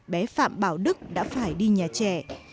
bé phạm bảo đức đã phải đi nhà trẻ